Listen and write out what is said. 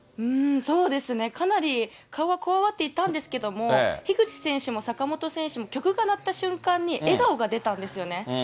そうですね、かなり顔はこわばっていたんですけれども、樋口選手も坂本選手も、曲が鳴った瞬間に笑顔が出たんですよね。